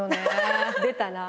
出たな。